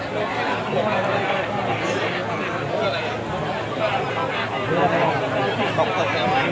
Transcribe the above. เมื่อใครหาไปชัด